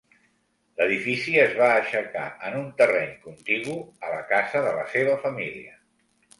L'edifici es va aixecar en un terreny contigu a la casa de la seva família.